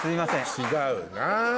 違うな。